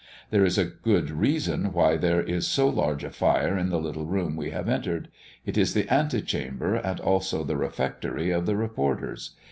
There is a good reason why there is so large a fire in the little room we have entered. It is the ante chamber, and also the refectory of the reporters.